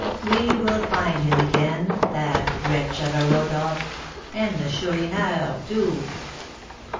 We will find him again, that wretch of a Rodolph, and the Chourineur too.